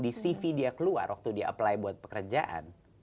di cv dia keluar waktu dia apply buat pekerjaan